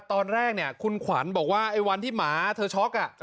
ตอนแรกเนี่ยคุณขวัญบอกว่าไอ้วันที่หมาเธอช็อก